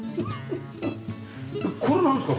これなんですか？